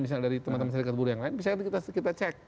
misalnya dari teman teman serikat buruh yang lain bisa kita cek